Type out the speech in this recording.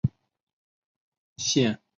腺萼越桔为杜鹃花科越桔属下的一个种。